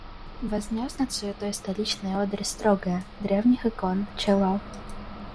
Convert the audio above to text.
Вознес над суетой столичной одури строгое — древних икон — чело.